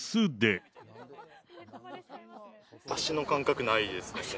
脚の感覚ないですね。